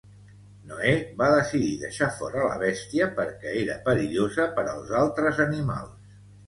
Noè va decidir deixar fora la bèstia perquè era perillosa per als altres animals